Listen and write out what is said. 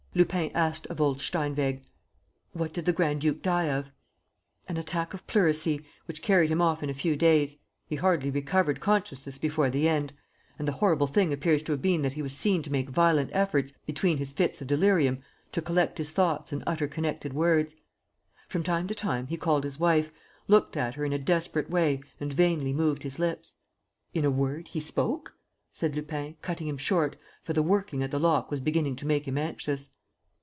Lupin asked of old Steinweg: "What did the grand duke die of?" "An attack of pleurisy, which carried him off in a few days. He hardly recovered consciousness before the end; and the horrible thing appears to have been that he was seen to make violent efforts, between his fits of delirium, to collect his thoughts and utter connected words. From time to time, he called his wife, looked at her in a desperate way and vainly moved his lips." "In a word, he spoke?" said Lupin, cutting him short, for the "working" at the lock was beginning to make him anxious.